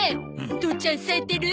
父ちゃん冴えてる。